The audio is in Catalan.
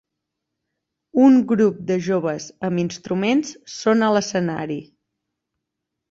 Un grup de joves amb instruments són a l'escenari.